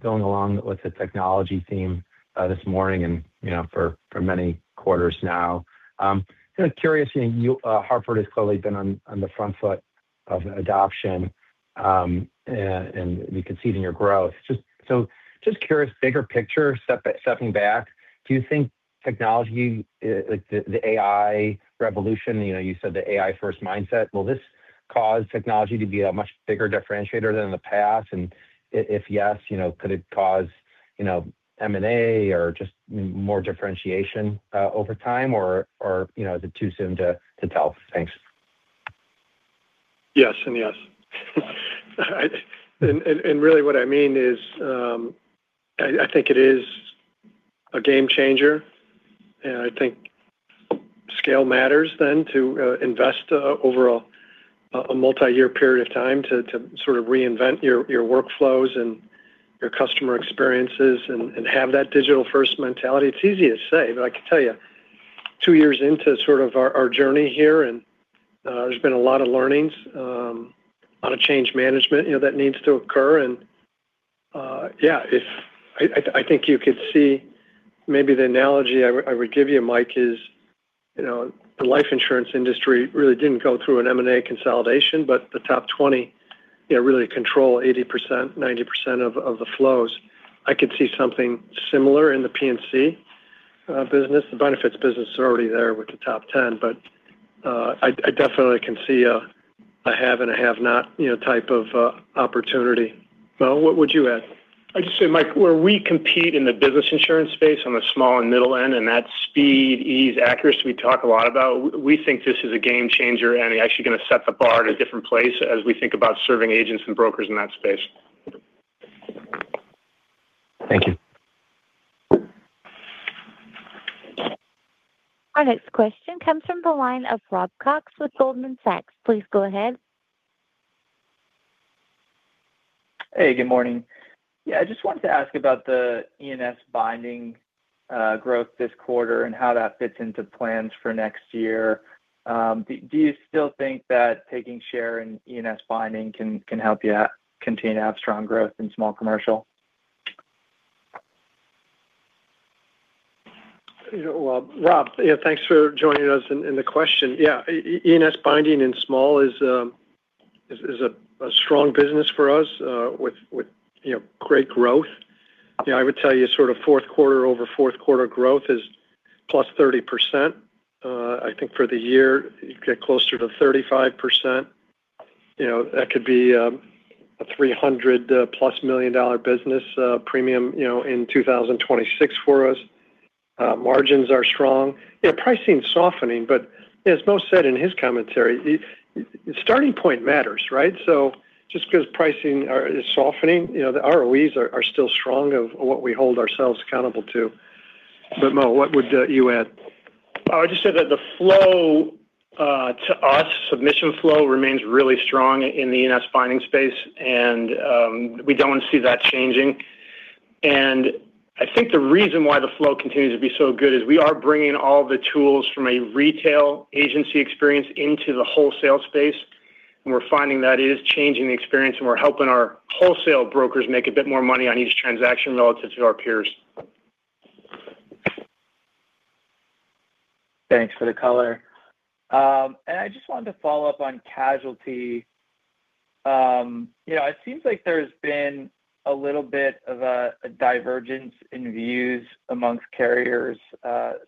going along with the technology theme this morning and, you know, for many quarters now. Kind of curious, Hartford has clearly been on the front foot of adoption, and we can see it in your growth. Just curious, bigger picture, stepping back, do you think technology, like the AI revolution, you know, you said the AI first mindset, will this cause technology to be a much bigger differentiator than in the past? And if yes, you know, could it cause, you know, M&A or just more differentiation over time, or you know, is it too soon to tell? Thanks. Yes and yes. And really what I mean is, I think it is a game changer, and I think scale matters then to invest over a multi-year period of time to sort of reinvent your workflows and your customer experiences and have that digital-first mentality. It's easy to say, but I can tell you, two years into sort of our journey here and there's been a lot of learnings, a lot of change management, you know, that needs to occur. I think you could see maybe the analogy I would give you, Mike, is, you know, the life insurance industry really didn't go through an M&A consolidation, but the top 20, you know, really control 80%, 90% of the flows. I could see something similar in the P&C business. The benefits business is already there with the top 10, but I definitely can see a have and a have not, you know, type of opportunity. Well, what would you add? I'd just say, Mike, where we compete in the business insurance space on the small and middle end, and that's speed, ease, accuracy, we talk a lot about, we think this is a game changer and actually gonna set the bar at a different place as we think about serving agents and brokers in that space. Thank you. Our next question comes from the line of Rob Cox with Goldman Sachs. Please go ahead. Hey, good morning. Yeah, I just wanted to ask about the E&S binding growth this quarter and how that fits into plans for next year. Do you still think that taking share in E&S binding can help you continue to have strong growth in small commercial? You know, well, Rob, yeah, thanks for joining us in the question. Yeah, E&S binding in small is a strong business for us, with you know, great growth. You know, I would tell you sort of fourth quarter-over-fourth quarter growth is +30%. I think for the year, you get closer to 35%. You know, that could be a $300+ million premium business in 2026 for us. Margins are strong. You know, pricing is softening, but as Mo said in his commentary, the starting point matters, right? So just 'cause pricing is softening, you know, the ROEs are still strong of what we hold ourselves accountable to. But Mo, what would you add? I would just say that the flow to us, submission flow remains really strong in the E&S binding space, and we don't see that changing. And I think the reason why the flow continues to be so good is we are bringing all the tools from a retail agency experience into the wholesale space, and we're finding that it is changing the experience, and we're helping our wholesale brokers make a bit more money on each transaction relative to our peers. Thanks for the color. And I just wanted to follow up on casualty. You know, it seems like there's been a little bit of a, a divergence in views amongst carriers.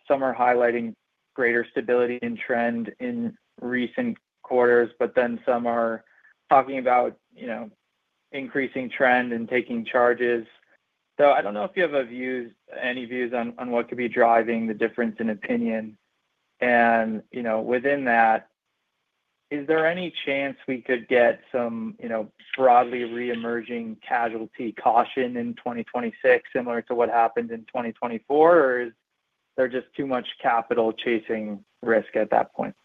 Some are highlighting greater stability in trend in recent quarters, but then some are talking about, you know, increasing trend and taking charges. So I don't know if you have any views on, on what could be driving the difference in opinion. And, you know, within that, is there any chance we could get some, you know, broadly reemerging casualty caution in 2026, similar to what happened in 2024? Or is there just too much capital chasing risk at that point?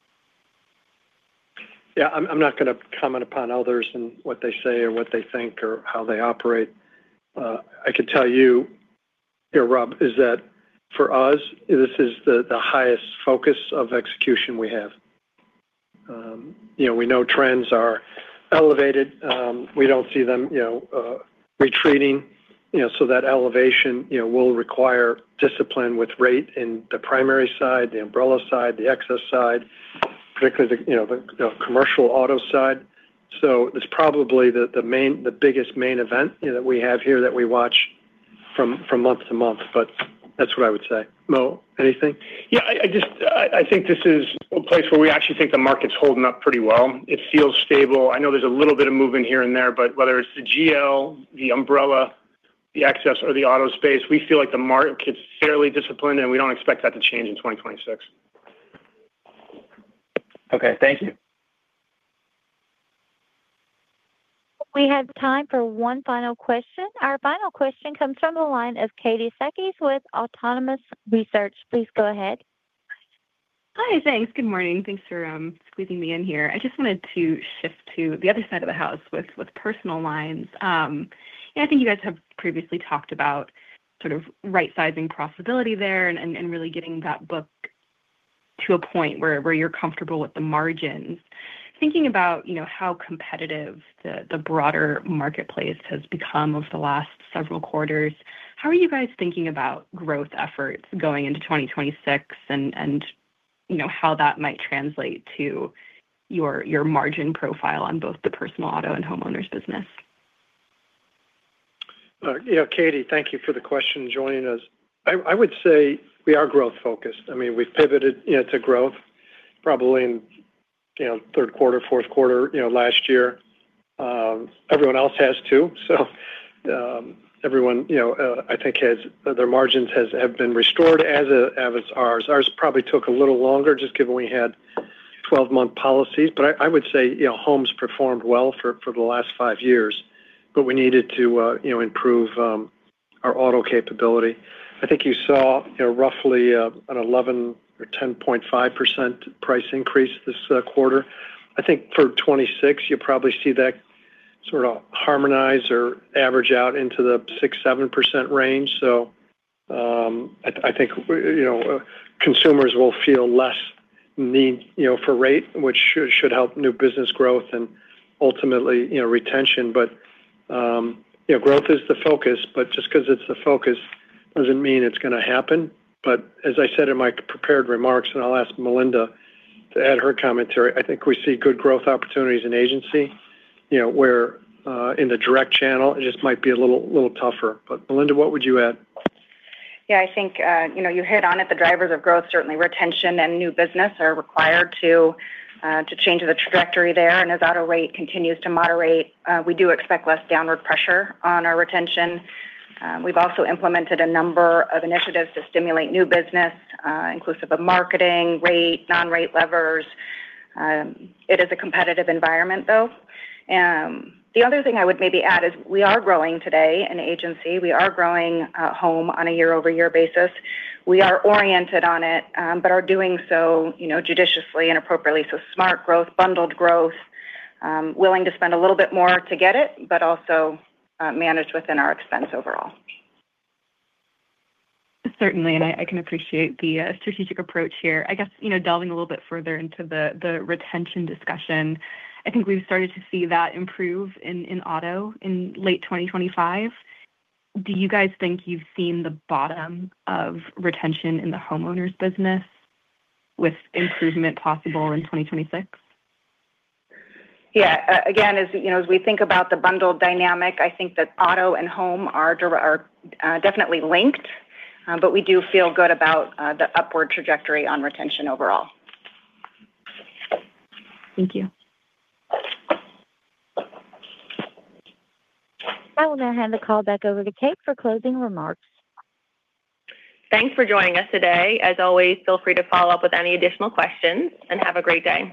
Yeah, I'm not gonna comment upon others and what they say or what they think or how they operate. I could tell you here, Rob, is that for us, this is the highest focus of execution we have. You know, we know trends are elevated. We don't see them, you know, retreating, you know, so that elevation, you know, will require discipline with rate in the primary side, the umbrella side, the excess side, particularly the, you know, the commercial auto side. So it's probably the main, the biggest main event, you know, that we have here that we watch from month to month. But that's what I would say. Mo, anything? Yeah, I just... I think this is a place where we actually think the market's holding up pretty well. It feels stable. I know there's a little bit of movement here and there, but whether it's the GL, the umbrella, the excess, or the auto space, we feel like the market is fairly disciplined, and we don't expect that to change in 2026. Okay. Thank you. We have time for one final question. Our final question comes from the line of Katie Sakys with Autonomous Research. Please go ahead. Hi, thanks. Good morning. Thanks for squeezing me in here. I just wanted to shift to the other side of the house with personal lines. Yeah, I think you guys have previously talked about sort of right-sizing profitability there and really getting that book to a point where you're comfortable with the margins. Thinking about, you know, how competitive the broader marketplace has become over the last several quarters, how are you guys thinking about growth efforts going into 2026, and, you know, how that might translate to your margin profile on both the personal auto and homeowners business? You know, Katie, thank you for the question and joining us. I would say we are growth focused. I mean, we've pivoted, you know, to growth probably in, you know, third quarter, fourth quarter, you know, last year. Everyone else has, too. So, everyone, you know, I think their margins have been restored as, as ours. Ours probably took a little longer, just given we had 12-month policies. But I would say, you know, homes performed well for the last 5 years, but we needed to, you know, improve our auto capability. I think you saw, you know, roughly, an 11 or 10.5% price increase this quarter. I think for 2026, you'll probably see that sort of harmonize or average out into the 6%-7% range. So, I think, you know, consumers will feel less need, you know, for rate, which should help new business growth and ultimately, you know, retention. But, you know, growth is the focus, but just 'cause it's the focus doesn't mean it's gonna happen. But as I said in my prepared remarks, and I'll ask Melinda to add her commentary, I think we see good growth opportunities in agency, you know, where in the direct channel, it just might be a little tougher. But Melinda, what would you add? Yeah, I think, you know, you hit on it, the drivers of growth, certainly retention and new business are required to change the trajectory there. And as auto rate continues to moderate, we do expect less downward pressure on our retention. We've also implemented a number of initiatives to stimulate new business, inclusive of marketing, rate, non-rate levers. It is a competitive environment, though. The other thing I would maybe add is we are growing today in agency. We are growing, home on a year-over-year basis. We are oriented on it, but are doing so, you know, judiciously and appropriately. So smart growth, bundled growth, willing to spend a little bit more to get it, but also, managed within our expense overall. Certainly, and I, I can appreciate the strategic approach here. I guess, you know, delving a little bit further into the retention discussion, I think we've started to see that improve in auto in late 2025. Do you guys think you've seen the bottom of retention in the homeowners business with improvement possible in 2026? Yeah. Again, as you know, as we think about the bundle dynamic, I think that auto and home are definitely linked, but we do feel good about the upward trajectory on retention overall. Thank you. I will now hand the call back over to Kate for closing remarks. Thanks for joining us today. As always, feel free to follow up with any additional questions, and have a great day.